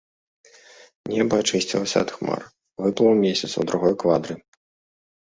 Неба ачысцілася ад хмар, выплыў месяц у другой квадры.